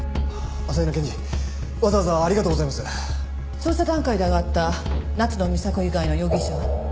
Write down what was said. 捜査段階で挙がった夏野美紗子以外の容疑者は？